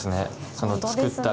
その作ったら。